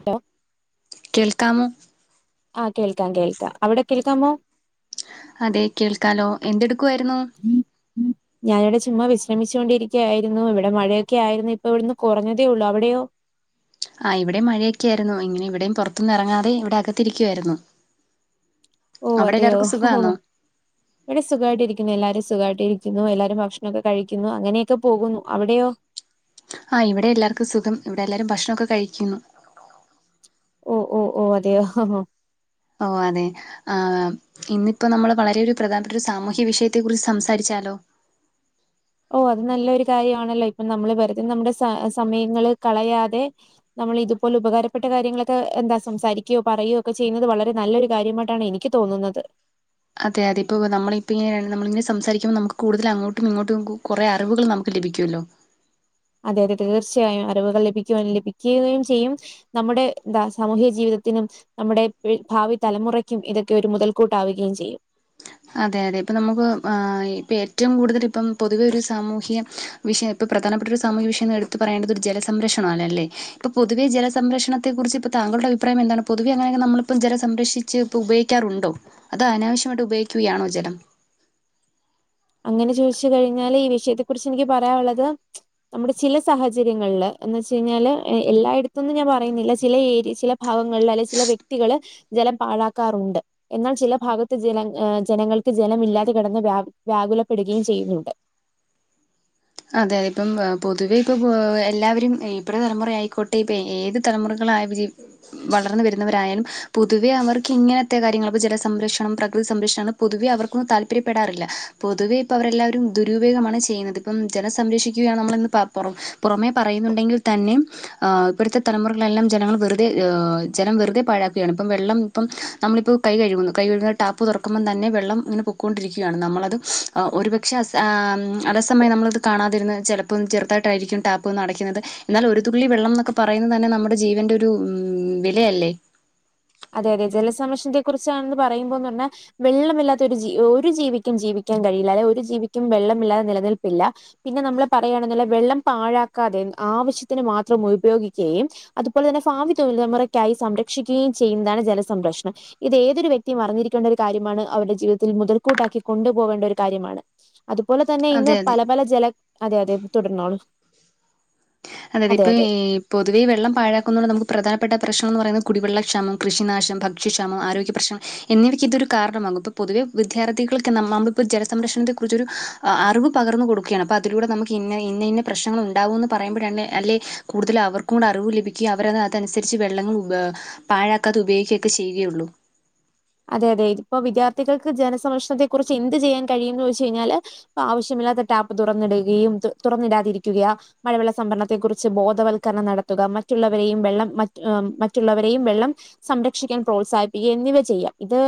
Hello കേൾക്കാമൊ ആഹ് കേൾക്കാം കേൾക്കാം അവിടെ കേൾക്കാമോ അതെ കേൾക്കാലോ എന്തെടുക്കുവായിരുന്നു ഞാനിവിടെ ചുമ്മാ വിശ്രമിച്ചു കൊണ്ടിരിക്ക്യായിരുന്നു ഇവിടെ മഴയൊക്കെ ആയിരുന്നു ഇപ്പൊ ഇവിടുന്ന് കുറഞ്ഞതേ ഉള്ളൂ അവിടെയോ ആഹ് ഇവിടേം മഴയൊക്കെയായിയിരുന്നു ഇങ്ങനെ ഇവിടേം പൊറത്തൊന്ന്വെറങ്ങാതെ ഇവിടെ അകത്തിരിക്കുവായിരുന്നു അവിടെല്ലാർക്കും സുഖാന്നോ ഇവടെ സുഖവായിട്ടിരിക്ക്യുന്നു എല്ലാരും സുഖവായിട്ടിരിക്ക്യുന്നു എല്ലാരും ഭക്ഷണൊക്കെ കഴിക്ക്യുന്നു അങ്ങനെക്കെ പോകുന്നു അവിടെയോ ആഹ് ഇവടേം എല്ലാർക്കും സുഖം ഇവടെ എല്ലാരും ഭക്ഷണൊക്കെ കഴിക്ക്യുന്നു ഓഹ് ഓഹ് ഓഹ് അതെയോ ഓഹ് അതെ ആഹ് ഇന്ന്പ്പോ നമ്മള് വളരെ ഒരു പ്രധാനപ്പെട്ട ഒരു സാമൂഹ്യ വിഷയത്തെ കുറിച്ച് സംസാരിച്ചാലോ ഓഹ് അത് നല്ലൊരു കാര്യവാണല്ലോ ഇപ്പൊ നമ്മള് വെറുതെ നമ്മുടെ സ സമയങ്ങള് കളയാതെ നമ്മള് ഇതുപോലെ ഉപകാരപ്പെട്ട കാര്യങ്ങളൊക്കെ എന്താ സംസാരിക്ക്യോ പറയോ ഒക്കെ ചെയ്യുന്നത് വളരെ നല്ലൊരു കാര്യമായിട്ടാണ് എനിക്ക്യ് തോന്നുന്നത് അതെ അതെ ഇപ്പോവെ നമ്മള് ഇപ്പിങ്ങനെ നമ്മളിങ്ങനെ സംസാരിക്കുമ്പോ നമുക്ക് കൂടുതല് അങ്ങോട്ടും ഇങ്ങോട്ടും കു കൊറെ അറിവുകള് നമു ലഭിക്ക്യുവല്ലോ അതെ അതെ തീർച്ചയായും അറിവുകൾ ലഭിക്ക്യുവാന് ലഭിക്ക്യുകയും ചെയ്യും നമ്മുടെ എന്താ സാമൂഹ്യ ജീവിതത്തിനും നമ്മുടെ ഇപ്പഴ് ഭാവി തലമുറയ്ക്ക്യും ഇതൊക്കെ ഒരു മുതൽക്കൂട്ടാവുകയും ചെയ്യും അതെ അതെ ഇപ്പ നമുക്ക് ആഹ് ഈ ഇപ്പൊ ഏറ്റവും കൂടുതല് ഇപ്പം പൊതുവെ ഒരു സാമൂഹ്യ വിഷയം ഇപ്പ പ്രധാനപ്പെട്ട ഒരു സാമൂഹ്യ വിഷയം എന്ന് എടുത്ത് പറയേണ്ടത് ഒരു ജലസംരക്ഷണം ആണല്ലെ ഇപ്പൊ പൊതുവേ ജലസംരക്ഷണ ത്തെ കുറിച്ച്പ്പൊ താങ്കളുടെ അഭിപ്രായമെന്താണ് പൊതുവെ അങ്ങനെക്കെ നമ്മള്പ്പം ജലം സംരക്ഷിച്ച് ഇപ്പം ഉപയിക്ക്യാറുണ്ടോ അതോ അനാവശ്യമായിട്ട് ഉപയോഗിക്ക്യുകയാണോ ജലം അങ്ങനെ ചോയിച്ച് കഴിഞ്ഞാല് ഈ വിഷയത്തെ കുറിച്ച് എനിക്ക്യ് പറയാൻ ഒള്ളത് നമ്മുടെ ചില സാഹചര്യങ്ങള്ല് എന്ന് വെച്ച് കഴിഞ്ഞാല് ഏഹ് എല്ലായിടത്തുംന്ന് ഞാൻ പറയുന്നില്ല ചില ഏര്യ ചില ഭാവങ്ങള്ല് അല്ലെ ചില വ്യക്തികള് ജലം പാഴാക്കാറുണ്ട് എന്നാൽ ചില ഭാഗത്ത് ജല ഏഹ് ജനങ്ങൾക്ക് ജലമില്ലാതെ കെടന്ന് വ്യാ വ്യാകുലപ്പെടുക്കെയും ചെയ്യുന്നുണ്ട് അതെ അതെ ഇപ്പം ആഹ് പൊതുവെ ഇപ്പൊ പൊ എല്ലാവരും ഏഹ് ഇപ്പള് തലമുറ ആയിക്കോട്ടെ ഇപ്പ എ ഏത് തലമുറകളായി വിജയ് ഉം വളർന്ന് വെരുന്നവരായാലും പൊതുവെ അവർക്ക് ഇങ്ങനത്തെ കാര്യങ്ങള്പ്പോ ജല സംരക്ഷണം പ്രകൃതി സംരക്ഷണ് പൊതുവെ അവർക്കും താല്പര്യപ്പെടാറില്ല പൊതുവെ ഇപ്പവരെല്ലാവരും ദുരുപയോഗമാണ് ചെയ്യ്ന്നത് ഇപ്പം ജലം സംരക്ഷിക്ക്യുകയാണ് നമ്മളെന്ന് പ പൊറം പൊറമെ പറയുന്നുണ്ടെങ്കി തന്നേം ആഹ് ഇപ്പഴത്തെ തലമുറകളെല്ലാം ജനങ്ങള് വെറുതെ ഏഹ് ജലം വെറുതെ പാഴാക്കുകയാണിപ്പം വെള്ളം ഇപ്പം നമ്മളിപ്പോ കൈ കഴുക്കുന്നു കൈ കഴുക്കുന്ന ടാപ്പ് തൊറക്കുമ്പം തന്നെ വെള്ളം ഇങ്ങനെ പൊക്കോണ്ടിരിക്ക്യായാണ് നമ്മളത് ആഹ് ഒരു പക്ഷേ അസാം അറസ് [unintelligible] നമ്മള്ത് കാണാതിരുന്ന ചെലപ്പം ചെറ്തായിട്ടായിരിക്ക്യും ടാപ്പ് വന്ന് അടക്ക്യിന്നത് എന്നാലും ഒരു തുള്ളി വെള്ളന്നൊക്കെ പറയുന്നന്നെ നമ്മുടെ ജീവന്റെ ഒരു ഉം വിലയല്ലേ അതെ അതെ ജലസംരക്ഷണത്തെ കുറിച്ചാണെന്ന് പറയുമ്പം തന്നെ വെള്ളമില്ലാത്തൊര് ജീ ഒരു ജീവിക്കും ജീവിക്കാൻ കഴിയില്ല അല്ലെ ഒരു ജീവിക്കും വെള്ളമില്ലാതെ നിലനിൽപ്പില്ല പിന്നെ നമ്മള് പറയാണെന്ന്ല്ലെ വെള്ളം പാഴാക്കാതെ ഉം ആവശ്യത്തിന് മാത്രം മുഴുപയോഗിക്കേയും അതുപോലെ തന്നെ ഫാവി തൊയിലുമുറയ്ക്കായി സംരക്ഷിക്കേയും ചെയ്യുന്നതാണ് ജലസംരക്ഷണം ഇത് ഏതൊരു വ്യക്തിയും അറിഞ്ഞിരിക്കേണ്ടൊരു കാര്യമാണ് അവരുടെ ജീവിതത്തിൽ മുതൽക്കൂട്ടാക്കി കൊണ്ടുപോവേണ്ടൊരു കാര്യമാണ് അതുപോലെ തന്നെ ഇന്ന് അതെ അതെ പല പല ജല അതെ അതെ തുടർന്നോളു അതെ അതെ ഇപ്പ ഈ പൊതുവെ വെള്ളം പാഴാക്കുന്നതോണ്ട് നമുക്ക് പ്രധാനപ്പെട്ട പ്രശ്നന്ന് പറയുന്നത് കുടിവെള്ളക്ഷാമം, കൃഷിനാശം, ഭക്ഷ്യക്ഷാമം, ആരോഗ്യ പ്രശ്നം എന്നിവയ്ക്ക് ഇതൊരു കാരണമാകും. ഇപ്പൊ പൊതുവെ വിദ്യർഥികൾക്ക് നമ്മ നമ്മളിപ്പോ ജലസംരക്ഷണത്തെ കുറിച്ചൊരു ആഹ് അറിവ് പകർന്ന് കൊടുക്ക്യാണ് അപ്പതിലൂടെ നമ്മക്ക്യ് ഇന്ന ഇന്നയിന്ന പ്രശ്നങ്ങളുണ്ടാവൂന്ന് പറ് യുമ്പുരാണ് അല്ലേ കൂടുതലു അവർക്കുടെ അറിവ് ലഭിക്ക്യേം അവരത് അതനുസരിച്ച് വെള്ളങ്ങൾ ഉപ പായാക്കാതെ ഉപയിക്ക്യക്ക്യെ ചെയ്യോള്ളു അതെ അതെ ഇപ്പൊ വിദ്യാർത്ഥികൾക്ക് ജനസംരക്ഷണത്തെ കുറിച്ച് എന്ത്ചെയ്യാൻ കഴിയുന്ന് ചോയ്ച്ച് കയ്ഞ്ഞാല് ആഹ് ആവശ്യമില്ലാതെ ടാപ്പ് തുറന്ന് ഇടുകേയും തു തുറന്നിടാതിരിക്ക്യുക്കയാ മഴവെള്ളസംഭരണത്തെ കുറിച്ച് ബോധവൽക്കരണം നടത്തുക മറ്റുള്ളവരെയും വെള്ളം മറ്റ് ഏഹ് മറ്റുള്ളവരെയും വെള്ളം സംരക്ഷിക്കാൻ പ്രോത്സാഹിപ്പിക്ക്യെങ്കിലും ചെയ്യാ ഇത്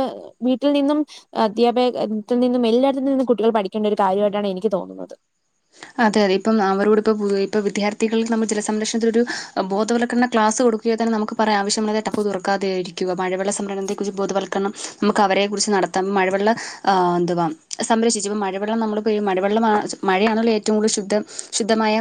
വീട്ടിൽ നിന്നും അധ്യാപേകത്തിൽ നിന്നും എല്ലായിടത്ത് നിന്നും കുട്ടികൾ പഠിക്കേണ്ട ഒരു കാര്യവായിട്ടാണ് എനിക്ക്യ് തോന്നുന്നത് അതെ അതെ ഇപ്പം അവരോട് ഇപ്പ ഇപ്പ വിദ്യാർത്ഥികൾ ന്നമ്മൾ ജലസംരക്ഷണത്തിനൊരു ബോധവൽക്കരണക്ലാസ് കൊട് തിയോ തെന്നെ ന്നമുക്ക്‌പറയാം ആവശ്യമുള്ളതെ ടപ്പ തുറക്കാതരിക്കുക മഴവെള്ളസംരത്തെക്കുറിച് ബോധവത്ക്കരണം. ന്നമുക്ക്അവരെ കുറിച്ച് നടത്താം മഴവെള്ളംഎതുവാ സംരക്ഷിച്ചു ഇപ്പം മഴവെള്ളം നമ്മൾപെയ്യും മഴവെള്ളംമാ മഴയാണല്ലോ ഏറ്റവും കൂടുതൽ ശുദ്ധം ശുദ്ധമായ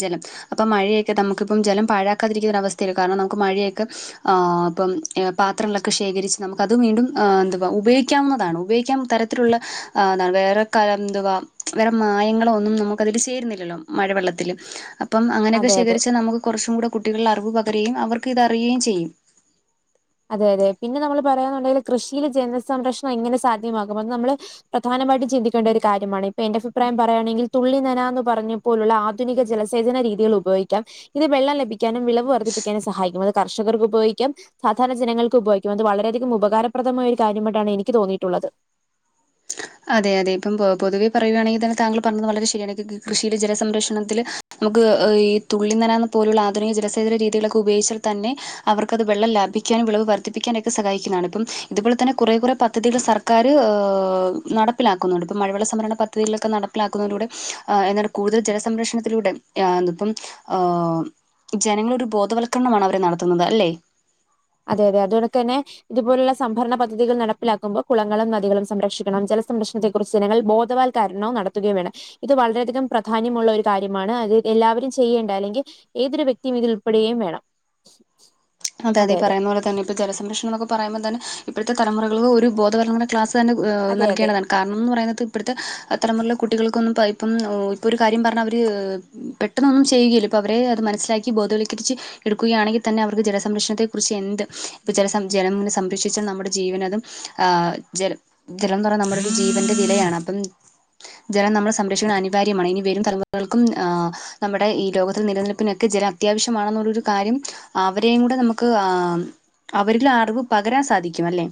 ജലം അപ്പം മഴയൊക്കെ നമുക്കിപ്പം ജലം പാഴാക്കാതിരിക്കുന്നൊര അവസ്ഥയിലകാരണം ന്നമുക്ക് മഴയൊക്കെ ആഹ് അപ്പംപാത്രങ്ങളൊക്കെ ശേഖരിച്ച് നമുക്കത് വീണ്ടും എന്തുവാ ഉപയോഗിക്കാവുന്നതാണ് ഉപയോഗിക്കാൻതര ത്രോള്ളെ ആഹ് വേറെകലന്തുവാ വേറെ മായങ്ങള് ഉം ന്നമുക്ക് അതിന്ചേരുന്നില്ലല്ലോ മഴവെള്ളത്തില് അപ്പംഅങ്ങനെയൊക്കെ അതെ അതെ ശേഖരിച്ചാൽ ന്നമുക്ക്കൊർച്ചുംടെ കുട്ടികൾഅറിവുപകരുകയും അവർക്ക് ഇതറിയേംചെയ്യും. അതെ അതെ പിന്നെന്നമ്മൾ പറയുണ്ടെങ്കിൽ കൃഷിയില് ജനസംരക്ഷണം എങ്ങനെസാധ്യമാകും അത് ന്നമ്മള് പ്രധാനമായിട്ടും ചിന്തിക്കേണ്ടഒരു കാര്യമാണ് ഇപ്പൊ എന്റെഅഭിപ്രയം പറയുകയാണെങ്കിൽ തുള്ളിന്നനാന്ന് പറ്ഞ്ഞ് പോലുള്ളആധുനിക ജലസേചന രീതികൾ ഉപയോഗിക്കാം. ഇത് വെള്ളംലഭിക്കാനും വിളവ് വർധിപ്പിക്കാനുംസഹായിക്കും അത് കർഷകർക്ക് ഉപയോഗിക്കാം സാധണര ജനങ്ങൾക്ക് ഉപയോഗിക്കും അത് വളരെയധികം ഉപകാരപ്രദമായ ഒരു കാര്യമായിട്ടാണ്എനിക്ക് തോന്നിയിട്ടുള്ളത്. അതെ അതെ ഇപ്പം പൊതുവെ പറയുകയാണെങ്കിൽതെന്നെ താങ്കൾ പറഞ്ഞത് വളരെശെരിയാണ് ക് കൃഷിയില് ജലസംരക്ഷണത്തിന് നമുക്ക് ഈ തുള്ളിന്നന പോലുള്ള ആധുനികജലസേചന രീതികളൊക്കെ ഉപയോഗിച്ചാൽ തന്നെ അവർക്ക്അത് വെള്ളംലഭിക്കും വിളവ് വർധിപ്പിക്കാനൊക്കെ സഹായിക്കതാണ് ഇത്പോൽതെന്നെ കുറെ കുറെ പദ്ധതികൾ സർ ക്കാര് ഓഹ് നടപ്പിലാക്കുന്നുണ്ട് ഇപ്പം മഴവെള്ള സംവരണ പദ്ധതികളൊക്കെ നടപ്പിലാക്കുന്നതിലൂടെ എന്താണ് കൂടുതൽ ജലസംരക്ഷണത്തിലൂടെ യാത്പ്പം ഹാ ജനങ്ങളൊരു ബോധവൽക്കരണമാണ് അവരെ നടത്തുന്നത്അല്ലെ? അതെ അതെ അതോക്കെന്നെ ഇതുപോലുള്ള സംഭരണപദ്ധതികൾ നടപ്പിലാക്കുമ്പോൾ കുളങ്ങളും നദികളും സംരക്ഷിക്കണം ജലസംരക്ഷണത്തെ കുറിച്ച് ജനങ്ങൾ ബോധവാൽക്കാരണവും നടത്തുകയും വേണം. ഇത് വളരെയധികം പ്രധാന്യമുള്ള ഒരു കാര്യമാണ്അത് എല്ലാവരും ചെയ്യേണ്ട അല്ലെങ്കി ഏതൊരു വ്യക്തിയുംഇതിൽ ഉൾപ്പെടെയുംവേണം. അതെ അതെ ഇപറയുന്നപോലെതെന്നെ ഇപ്പോ ജലസംരക്ഷണം എന്നൊക്കെ പറയുമ്പോതെന്നെ ഇപ്പോഴത്തെ തലമുറൾക്ക് ഒരു ബോധവർരണ ക്ലാസ് തന്നെഏഹ് അതെ അതെ നൽകേണ്ടതാണ്. കാരണംമെന്ന് പറയുന്നത് ഇപ്പോഴത്തെ തലമുറയിലെ കുട്ടികൾക്കൊന്നും ഇപ്പം ഏഹ് ഇപ്പോൾ ഒരു കാര്യം പറഞ്ഞാൽ അവർ ഏഹ് പെട്ടെന്നൊന്നുംചെയ്യുകല്ല ഇപ്പൊ അവരെഅത് മനസ്സിലാക്ക ബോധവൽകരിച്ച് എടുക്കുകയാണെങ്കിതെന്നെ അവർക്ക് ജലസേ സംരക്ഷണത്തെ കുറിച്ച്എന്ത് ഇപ്പ ജെല ജെലങ്ങനെ സംരക്ഷിച്ചാൽ ന്നമ്മുടെ ജീവനഅതും ആഹ് ജെലം ജെലംന്ന് പറയുന്നെ ന്നമ്മുടെ ജീവന്റെ വിലയാണ് അപ്പം ജലംന്നമ്മൾ സംരക്ഷിക്കുന്നത് അനിവാര്യമാണ് ഇനിവെരും തലമുറകൾക്കും ആഹ് ന്നമ്മുടെ ഈ ലോകത്തിൽ ഈലോകത്ത് നിലനിൽപ്പിനൊക്കെ ജെലം അത്യാവശ്യമാണെന്നുള്ളരു കാര്യം ആവി തീകൂടെ ന്നമുക്ക് ആം അവരിൽകൂടെ ന്നമുക്ക് അവരിൽഅറിവ് പകരാൻ സാധിക്കുംഅല്ലെ?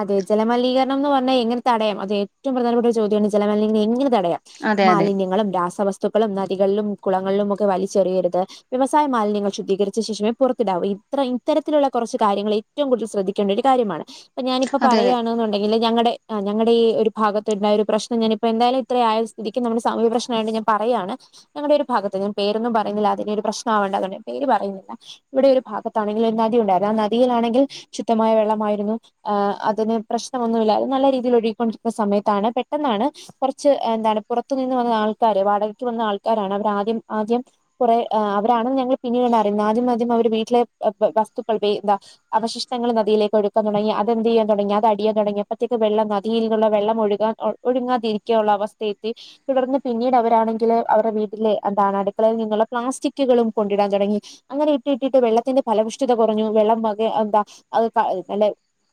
അതെ ജലമലിനീകരണം എന്ന് പറഞ്ഞാൽ എങ്ങനെതടയം അത് ഏറ്റവും പ്രധാനപ്പെട്ട ഒരു ചോദ്യമാണ് ജലിനീകരണം എങ്ങനെതടയാം. അതെ അതെ മാലിന്യങ്ങളും രാസവസ്തുക്കളും നദികളിലും കുളങ്ങളിലുംഒക്കെ വലിച്ചെറിയരുത്. വ്യവസായമാലിന്യങ്ങൾ ശുദ്ധീകരിച്ച് ശേഷവേ പുറത്തിടാവൂ ഇത്ര ഇത്തരത്തിലുള്ള കൊർച്ച്കാര്യങ്ങളെ ഏറ്റവുംകൂടുതൽ ശ്രദ്ധിക്കേണ്ടഒരു കാര്യമാണ്പ്പൊഞാനിപ്പ അതെ പറയാണ്ന്നുണ്ടെങ്കില് ഞങ്ങടെ ആഹ് ഞങ്ങടെ ഈ ഒരുഭാഗതുണ്ടായ ഒരു പ്രശ്നം ഞാനിപ്പോ എന്തായാലും ഇത്രേ ആയസ്ഥിതിക്ക് ന്നമ്മുടെ സാമുഹ്യ പ്രശ്നമായിട്ട്ഞാൻ പറയാണ് ഞങ്ങടെ ഒര്ഭാഗത്ത് പേരൊന്നും പറയുന്നില്ല അതിന്റെഒരു പ്രശ്നം ആവേണ്ട അതോണ്ട് പേര്പറയുന്നില്ല. ഇവിടെ ഒരുഭാഗത്താണെങ്കി ഒരുനദി ഉണ്ടായിരുന്നു ആ നദിയിലാണെങ്കിൽ ശുദ്ധമായവെള്ളമായിരുന്നു ആഹ് അതിന് പ്രശ്നമൊന്നുമില്ലതെ ന്നല്ലെ രീതിയിൽ ഒഴുകിക്കൊണ്ടിരിക്കുന്ന സമയത്താണ് പെട്ടെന്നാണ്. കൊർച്ച് എന്താണ് പുറത്തുനിന്ന് വന്ന ആൾക്കാര് വാടകയ്ക്ക്വന്ന ആൾക്കാരാണ്അവർ ആദ്യം ആദ്യം കൊറേ ആ അവരാണ്ന്ന് ഞങ്ങൾ പിന്നീടാണറിയുന്ന ആദ്യം ആദ്യം അവര് വീട്ടിലെ വ വസ്തുക്കൾ വെ ന്താ അവശിഷ്ടങ്ങൾ നദിയിലേക്ക് ഒഴ്ക്കാൻ തൊടങ്ങി അ എന്തിയ്യാൻ തൊടങ്ങി അതടിയാൻ തൊടങ്ങി അപ്പത്തേക്ക് വെള്ള നദിയിൽന്നുള്ള വെള്ളം ഒഴ്കാൻ ഒഴങ്ങാതിരിക്കാൻള്ള അവസ്ഥേത്തി. തുടർന്ന് പിന്നീടവരാണെങ്കില് അവരുടെ വീട്ടിലെ എന്താണ് അടുക്കളയിൽ നിന്നുള്ള പ്ലാസ്റ്റിക്കുകളും കൊണ്ടിടാൻ തൊടങ്ങി. അങ്ങനെ യിട്ടിട്ടിട്ട് വെള്ളത്തിന്റെ ഫലവുഷ്ടിത കുറഞ്ഞു വെള്ളം വകെ എന്താ അയ് അ നല്ലെ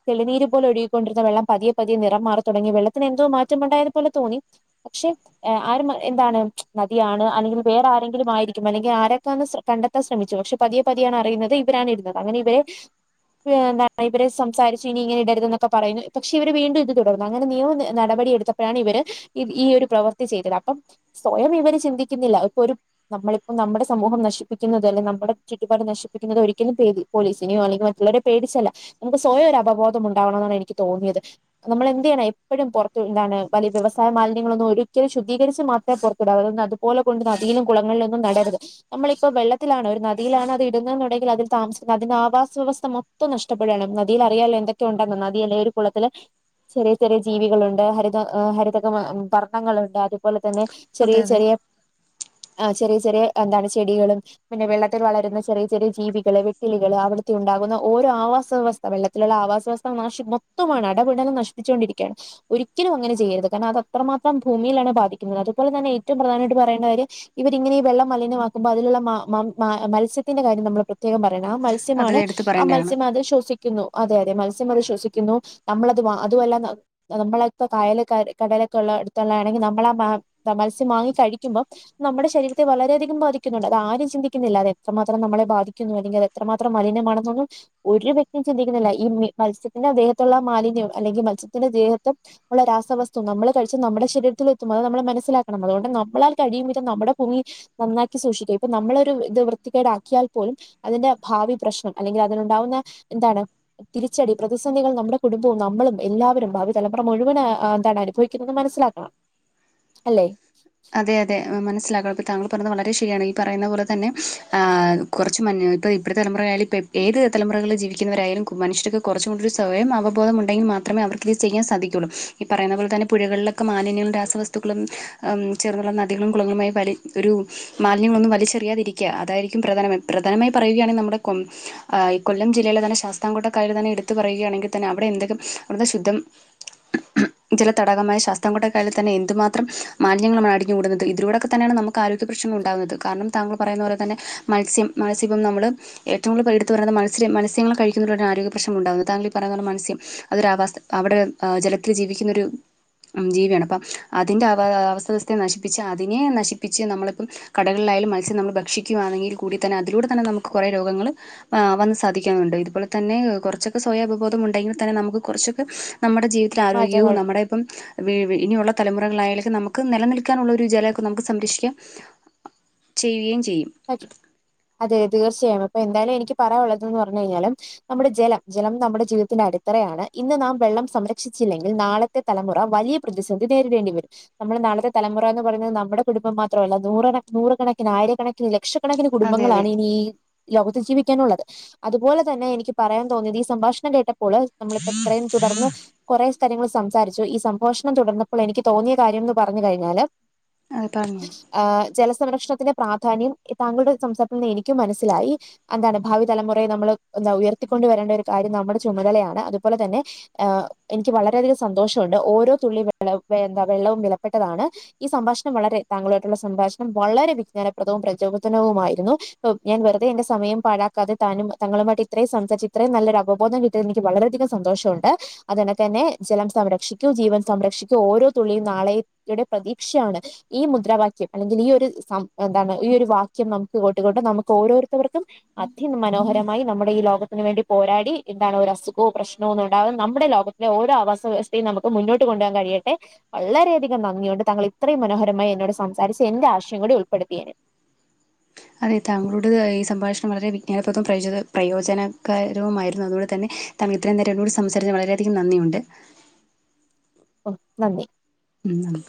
തെളിനീര് പോലെ ഒഴികിക്കണ്ടിരുന്ന വെള്ളം പതിയെ പതിയെ നിറംമാറി തുടങ്ങീ വെള്ളത്തിനെന്തോ മാറ്റമുണ്ടായത്പലെ തോന്നി പക്ഷെ ആര് എന്താണ് നദിയാണ് അല്ലെങ്കിൽ വേറെ ആരെങ്കിലും ആയിരിക്കും അല്ലെങ്കിൽ ആരൊക്കാണ് സ കണ്ടെത്താൻ ശ്രമിച്ചു പക്ഷെ പതിയെ പതിയാണ് അറിയുന്നത് ഇവരാണ് ഇടുന്നത് അങ്ങനെ ഇവരെ എന്ത ഇവരെ സം സംസാരിച്ചീനി ഇങ്ങനെ ഇടരുതെന്നൊക്കെ പറയുന്നു പക്ഷെ ഇവര് വീണ്ടും ഇത് തുടർന്ന് അങ്ങനെ നിയമ നടപടി എടുത്തപ്പോഴാണ് ഇവര് ഇ ഈ ഒരു പ്രവൃത്തി ചെയ്തത് അപ്പം സ്വയം ഇവര് ചിന്തിക്കുന്നില്ല ഇപ്പൊ ഒരു നമ്മളിപ്പം നമ്മുടെ സമൂഹം നശിപ്പിക്കുന്നത് അല്ലെങ്ക നമ്മുടെ ചുറ്റുപാട് നശിപ്പിക്കുന്നത് ഒരിക്കലും പേടി പോലീസിനെയോ അല്ലെങ്കിൽ മറ്റുള്ളവരെ പേടിച്ചല്ല നമുക്ക് സ്വയം ഒരു അവബോധം ഉണ്ടാവണന്നാണ് എനിക്ക് തോന്നിയത്. നമ്മളെന്തിയാനാ എപ്പോഴും പൊറത്തു എന്താണ് വലിയ്യ വൃവസായ മാലിന്യങ്ങളൊന്നും ഒരിക്കലും ശുദ്ധകരിച്ച് മാത്രേ പൊറ ക്ടങ്ങള് അതുപലെ കൊണ്ട് നദിലും കുളങ്ങളിലൊന്നും നടരുത്. നമ്മളിപ്പോ വെള്ളത്തിലാണോ ഇടുന്ന് നദിയിലാണോ ത് ഇട്ന്ന് ന്നുണ്ടെങ്കിൽ അതിൽ താമസിക്കുന്നത് അതിന്റെ ആവാസ വ്യവസ്ഥ മൊത്തം നഷ്ടപ്പെടാണ്. ന അതിൽ അറിയാലോ എന്തൊക്കെയുണ്ടെന്ന് നദി അല്ലെ ഒരു കുളത്തിലെ ചെറിയ ചെറിയ ജീവികളുണ്ട് ഹരിത ഹരിതക വ വർണങ്ങളുണ്ട് അതുപോലെ തന്നെ ചെറിയ അതെ അതെ അതെ ചെറിയ ആ ചെറിയ ചെറിയ എന്താണ് ചെടികളും. പിന്നെ വെള്ളത്തിൽ വളരുന്ന ചെറിയ ചെറിയ ജീവികള് വെട്ടിലികള് അവിടുത്തെ ഉണ്ടാകുന്ന ഓരോ ആവാസ വ്യവസ് ആ വെള്ളത്തിലുള്ള ആവാസ വസ്ത നശി മൊത്തമാണ് അടപടലം നശിപ്പിച്ചൊണ്ടിരിക്കയാണ്. ഒരിക്കലും അങ്ങനെ ചെയ്യരുത് കാരണം അത് അത്രമാത്രം ഭൂമിയിലാണ് ബാധിക്കുന്നത് അതുപോലെ തന്നെ ഏറ്റവും പ്രധാനമായിട്ട് പറയേന്ന കാര്യം ഇവരിങ്ങനെ ഈ വെള്ളം മലിനമാക്കുമ്പോ അതിലുള്ള മ മ മ മത്സ്യത്തിന്റെ കാര്യം നമ്മള് പ്ര ത്യേകം പറയുന്നേ ആ അത് മത്സ്യമാണ് എടുത്ത് ആ പറയേണ്ടതാണ്. മത്സ്യം അത് ശ്വസി ക്കുന്നു അതെ അതെ മത്സ്യമത് ശ്വസിക്കുന്നു നമ്മളത് അ അതുവല്ല നമ്മളപ്പോ കായല ക കടലൊക്കെള്ള അടുത്തുള്ളാണെങ്കി നമ്മളാ മാ മത്സ്യം വാങ്ങി കഴിക്കുമ്പം നമ്മടെ ശരീരത്തെ വളരെയധികം ബാധിക്കുന്നുണ്ട് അത് ആരും ചിന്തിക്കുന്നില്ല അത് എത്രമാത്രം നമ്മളെ ബാധിക്കുന്നു അല്ലെങ്കിൽ അത് എത്രമാത്രം മലിനമാണെന്നെന്നും ഒരുവ്യക് ക്തി ചിന്തിക്കുന്നില്ല ഈ മീ മത്സ്യത്തിന്റെ ദേഹത്തുള്ള മാലിന്യം അല്ലെങ്കി മത്സ്യത്തിന്റെ ദേഹത്തെ ള്ള രാസവസ്തു നമ്മള് കഴിച്ചാ നമ്മടെ ശരീരത്തിലെത്തുമ്പോ അത് നമ്മൾ മനസ്സിലാക്കണം അതോണ്ട് നമ്മളാ കഴിയും വിധം നമ്മുടെ ഭൂമിയി നന്നാക്കി സൂക്ഷിക്ക ഇപ്പൊ നമ്മളൊരു ത് വൃത്തിക്കേടാക്കിയാൽ പോലും അതിന്റെ ഭാവി പ്രശ്നം അല്ലെങ്കിൽ അതിനുണ്ടാവുന്ന എന്താണ്? തിരിച്ചടി പ്രതിസന്ധികൾ നമ്മുടെ കുടുംബവും നമ്മളും എല്ലാവരും ഭാവി തലമുറ മുഴുവന് എന്താണ് അനുഭവിക്കുന്നതെന്ന് മനസിലാക്ക [inaudible] അല്ലെ? അതെയതെ മനസ്സിലാക താങ്കൾ പറഞ്ഞത് വളരെ ശരിയാണ് ഈ പറയുന്ന പോലെ തന്നെ ആഹ് കൊറച്ച് മ ഇപ്പഴ തലുറായാലും ഇപ്പ ഏത് തലുറകളില് ജവിക്കുന്നവരായാലും മനുഷ്യർ കൊറച്ച് കൂടി ഒരു സ്വയം അവബോധം ഉണ്ടെങ്കിൽ മാത്രമേ അവർക്കീത് ചെയ്യാൻ സാധിക്കുള്ളൂ ഈ പറയുന്ന പോലെ തന്നെ പുഴകളിലൊക്കെ മാലിന്യങ്ങളും രാസവസ് കുത്തുക്കുളം ചേർന്നുള്ള നദികളും കുളങ്ങളുമായി വലി ഒരു മാലിന്യങ്ങളൊന്നും വലിച്ചെറിയാതിരിക്കുക അതായിരിക്കും പ്രധാനം പ്രധാനമായി പറയുകയാണെങ്കി നമ്മുടെ കൊ ആയ് കൊല്ലം ജില്ലെയിലെ തന്നെ ശാസ്താംകോട്ട കായല് തന്നെ എടുത്ത് പറയുകയാണെങ്കി തന്നെ അവിടെ എന്തെങ്കും അവിടെത്തെ ശുദ്ധം ജല തടാകമായ ശാസ്തംകോട്ട കായില് തന്നെ എന്തുമാത്രം മാലിന്ങ്ങളമാണ് അടിഞ്ഞ് കൂട്ന്നത് ഇതിലൂടൊക്കെ തന്നേണ് നമുക്ക് ആരോഗ്യ പ്രശ്നങ്ങളുണ്ടാകുന്നത് കാരണം താങ്കൾ പറയുന്ന പോലെ തന്നെ മത്സ്യം മാസിബം നമ്മള് ഏവും കൂതല പ എടുത്ത് പറയുന്നത് മല്സ്യം മസ്യങ്ങള് കഴിക്കുന്ന ആരോഗ്യശ്നം ഉണ്ടാകുന്നത് ത്താങ്കളീപറയ്ന്ന പോലെ മൽസ്യം അതൊരുവാസ അവ്ടെ ജലത്തിൽ ജീവിക്കുന്നൊരു ജീവിയാണ് അപ്പം അതിന്റെ ആവാ ആവസ്ഥ വ്യവസ്ഥയെ നശിപ്പിച്ച് അതിനെ നശിപ്പിച്ച് നമ്മളിപ്പം കടൽലായാലും മത്സ്യം നമ്മള് ഭക്ഷിക്കുകയാന്നെ ങ്കിൽ കൂടി തന്നെ അതിലൂടെ തന്നെ നമുക്ക് കൊറേ രോഗങ്ങള് ആ വന്ന് സാധിക്കുന്നുണ്ട് ഇതുപലെ തന്നെ കൊറച്ചൊക്കെ സ്വയ അവബോധം ഉണ്ടെങ്കിൽ തന്നെ നമുക്ക് കുറച്ചൊക്കെ നമ്മുടെ ജീവി തത്തില് ആരോഗ്യവും മാറ്റങ്ങൾ നമ്മുടെ ഇപ്പംവി ഇനിയുള്ള തലമുറകളായാലേക്കും നമ ക്ക് നിലനിൽക്കാനുള്ള ഒരു ജലൊക്കെ നമുക്ക് സംരക്ഷിക്കാം ചെയ്യുകയും ചെയ്യും. അതെ, അതേയതേ തീർച്ചയായും അപ്പൊ എന്തായാലും എനിക്ക് പറയാനുള്ളത് പറഞ്ഞ് കഴിഞ്ഞാല് നമ്മുടെ ജലം. ജലം നമ്മുടെ ജീവിതത്തിന്റെ അടിത്തറയാണ്. ഇന്ന് നാം വെള്ളം സംരക്ഷിച്ചില്ലെങ്കിൽ നാളെ തലമുറ വലിയ പ്രതിസന്ധി നേരിടേണ്ടി വരും. നമ്മള് നാളത്തെ തലമുറ എന്ന് പറയുന്നത് നമ്മുടെ കുടുംബം മാത്രമല്ല. നൂറ്കണ നൂറുകണക്കിന് ആയിരക്കണ ക്കിന് ലക്ഷക്കണക്കിന് അതെ അതെ കുടുംബങ്ങളാണ് ഇനിയീ ലോകത്ത് ജീവിക്കാനുള്ളത്. അതുപോലെ തന്നെ എനിക്ക് പറയാൻ തോന്നിയത് ഈ സംഭാഷണം കേട്ട പ്പോള് നമ്മളിപ്പൊ ഇത്രേം തുടർന്ന് കൊറെ കാര്യങ്ങൾ സംസാരിച്ചു. ഈ സംഭഷണം തുടർന്നപ്പോൾ എനിക്ക് തോന്നിയ കാര്യംന്ന് പറഞ്ഞു കഴിഞ്ഞാല്. അത് പറഞ്ഞോ? ആഹ് ജലസംരക്ഷണത്തിന്റെ പ്രാധാന്യം താങ്കളുടെ സംസാരത്തിൽ നിന്ന് എനിക്കും മനസ്സിലായി. അതാണ് ഭാവി തലമുറയെ നമ്മള് എന്താ ഉയർത്തിക്കൊണ്ടു വരേണ്ട ഒരു കാര്യം നമ്മുടെ ചുമതലയാണ്. അതുപോലെ തന്നെ. എനിക്ക് വളരെയധികം സന്തോഷമുണ്ട്. ഓരോ തുള്ളി എന്താ വെള്ളവും വിലപ്പെട്ടതാണ്. ഈ സംഭാഷണം വളരെ താങ്കളുമായിട്ടു സംഭാഷണം വളരെ വിജ്ഞാനപ്രദവും പ്രചോദനവുമായിരുന്നു ഞാൻ വെറുതെ എന്റെ സമയം പഴാക്കാതെ താനും തങ്ങളുമായിട്ട് ഇത്രയും സംസാരിച്ച് ഇത്രയും നല്ലൊരവബോധം കി എനിക്ക് വളരെയധികം സന്തോഷമുണ്ട്. അതന്നെക്കെ തന്നെ ജലം സംരക്ഷിക്കൂ. ജീവൻ സംരക്ഷിക്കൂ. ഓരോ തുള്ളിയും നാളെ യുടെ പ്രതീക്ഷയാണ് ഈ മുദ്രാവാക്യം അല്ലെങ്കിൽ ഈ ഒരു സം എന്താണ് ഈ ഒരു വാക്യം നമുക്ക് കേട്ടുകൊണ്ട് നമുക്ക് ഓരോരുത്തർക്കും അതി മനോഹരമായി നമ്മുടെ ഈ ലോകത്തിന് വേണ്ടി പോരാടി എന്താണ് ഒരു അസുഖോ പ്രശ്നോ ഒന്നും ഉണ്ടാകാതെ നമ്മുടെ ലോക ഓരോ ആവാസ വ്യവസ്ഥയും നമുക്ക് മുന്നോട്ട് കൊണ്ടോവാൻ കഴിയട്ടെ. വളരെയധികം നന്ദിയുണ്ട്. താങ്കൾ ഇത്രയും മനോഹരമായി എന്നോട് സംസാരിച്ച് എന്റെ ആശയം കൂടി ഉൾപ്പെടുത്തിയേന്. അതെ, താങ്കളുടെ ഈ സംഭാഷണം വളരെ വിജ്ഞാനപ്രദവും പ്രയോ പ്രയോജനകരവുമായിരുന്നു. അതുകൊണ്ട് തന്നെ താൻ ഇത്രയും നേരം എന്നോട് സംസാരിച്ച് വളരെയധികം നന്ദിയുണ്ട്. ഓ നന്ദി. ഉംനന്ദി